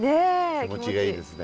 気持ちがいいですね。